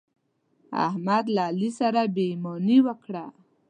احمد له علي سره بې ايماني وکړه.